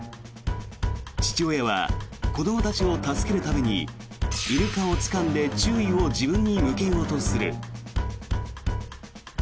父親は子どもたちを助けるためにイルカをつかんで注意を自分に向けようとする。